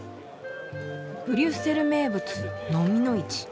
「ブリュッセル名物ノミの市。